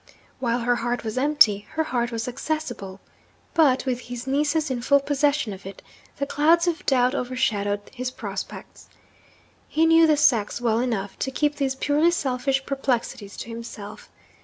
While her heart was empty, her heart was accessible. But with his nieces in full possession of it, the clouds of doubt overshadowed his prospects. He knew the sex well enough to keep these purely selfish perplexities to himself.